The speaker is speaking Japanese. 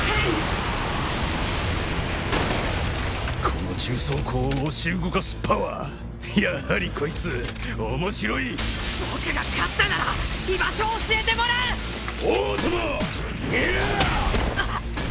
この重装甲を押し動かすパワーやはりこいつ面白い僕が勝ったなら居場所を教えてもらうおうとも！やーっ！